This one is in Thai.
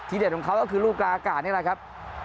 ที่เด่นของเขาน่ะว่าคือลูกกลาก่อนนะครับ